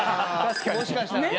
もしかしたらね。